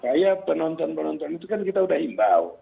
supaya penonton penonton itu kan kita sudah himbau